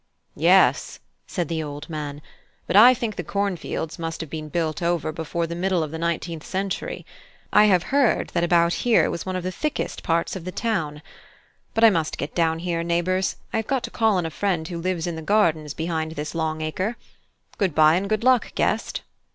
"Yes," said the old man, "but I think the cornfields must have been built over before the middle of the nineteenth century. I have heard that about here was one of the thickest parts of the town. But I must get down here, neighbours; I have got to call on a friend who lives in the gardens behind this Long Acre. Good bye and good luck, Guest!"